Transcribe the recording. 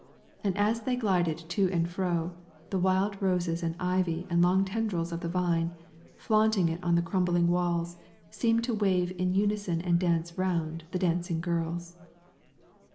And as they glided to and fro, the wild roses and ivy and long tendrils of the vine, flaunting it on the crumbling walls, seemed to wave in unison and dance round the dancing girls.